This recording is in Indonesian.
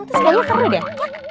terus segala seru deh